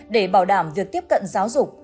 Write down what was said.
để bảo đảm việc tiếp cận giáo dục